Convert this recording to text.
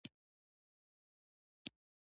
زړه د طبیعت نرموالی لري.